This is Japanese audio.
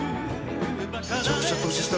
「めちゃくちゃ年下」